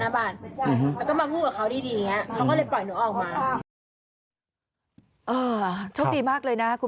แล้วแฟนหนูก็มาหน้าบ้านแล้วก็มาพูดกับเขาดีอย่างนี้เขาก็เลยปล่อยหนูออกมา